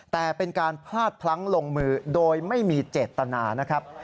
แต่เป็นการพลาดพลั้งลงมือโดยไม่มีเจตนานะครับ